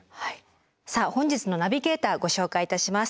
さあ本日のナビゲーターご紹介いたします。